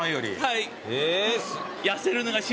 はい。